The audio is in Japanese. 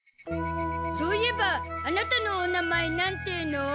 そういえばアナタのお名前なんていうの？